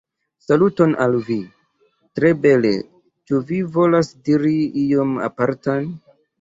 Saluton al vi! tre bele ĉu vi volas diri ion apartan?